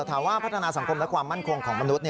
ถามว่าพัฒนาสังคมและความมั่นคงของมนุษย